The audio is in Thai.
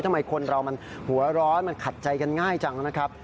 ทำไมคนเรามันหัวร้อนมันขัดใจกันง่ายจังนะครับ